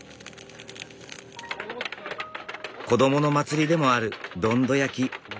子どもの祭りでもあるどんど焼き。